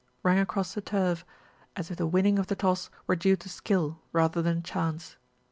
rang across the turf, as if the winning of the toss were due to skill rather than chance.